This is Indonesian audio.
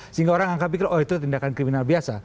sehingga orang angka pikir oh itu tindakan kriminal biasa